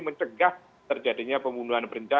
mencegah terjadinya pembunuhan berlaku